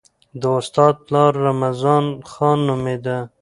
د استاد پلار رمضان خان نومېده.